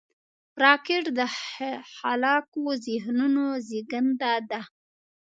راکټ د خلاقو ذهنونو زیږنده ده